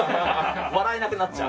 笑えなくなっちゃう。